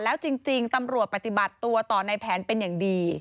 แล้วจริงตำรวจปฏิบัติตัวต่อในแผนเป็นอย่างดี